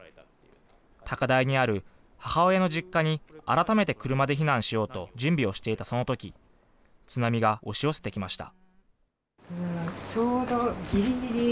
高台にある母親の実家に改めて車で避難しようと、準備をしていたそのとき、津波が押し寄せてきました。